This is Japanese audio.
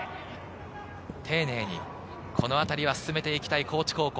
丁寧にこのあたりは進めていきたい高知高校。